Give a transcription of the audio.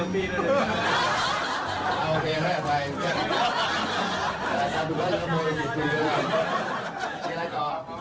มีอะไรต่อ